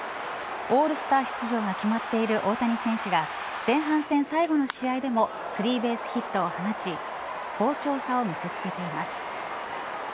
オールスター出場が決まっている大谷選手が前半戦最後の試合でもスリーベースヒットを放ち好調さを見せつけています。